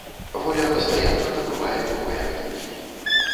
Воля пастаянна набывае новыя кнігі.